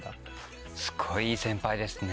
すごいいい先輩ですね。